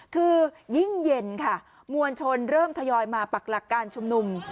คือยิ่งเย็นค่ะมวลชนเริ่มทยอยมาปักหลักการชุมนุม